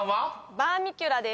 「バーミキュラ」です。